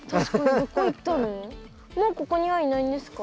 もうここにはいないんですか？